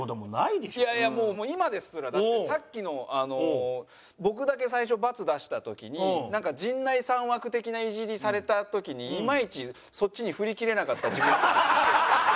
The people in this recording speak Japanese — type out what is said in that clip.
いやいやもう今ですらだってさっきの僕だけ最初×出した時になんか陣内さん枠的なイジリされた時にいまいちそっちに振りきれなった自分にちょっと反省してる。